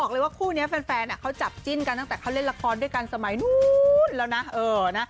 เลยว่าคู่นี้แฟนเขาจัดจิ้นกันตั้งแต่เขาเล่นละครด้วยกันเสมอ